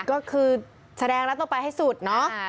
ก็คือแสดงรับต่อไปให้สุดเนอะ